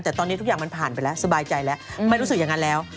แต่ตอนนี้ทุกอย่างมันผ่านไปแล้วสบายใจแล้วไม่รู้สึกอย่างนั้นแล้ว